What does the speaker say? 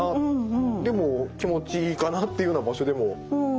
でも気持ちいいかなっていうような場所でもあります。